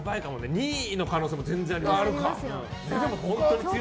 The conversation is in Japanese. ２位の可能性も全然あります。